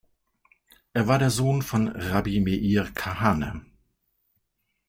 Er war der Sohn von Rabbi Meir Kahane.